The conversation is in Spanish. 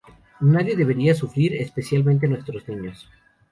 Nadie debería sufrir, especialmente nuestros niños.